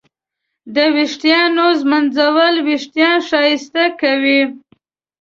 د ویښتانو ږمنځول وېښتان ښایسته کوي.